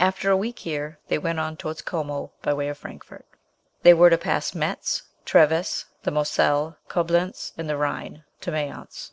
After a week here they went on towards Como by way of Frankfort. They were to pass Metz, Treves, the Moselle, Coblentz, and the Rhine to Mayence.